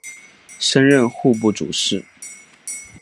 升任户部主事。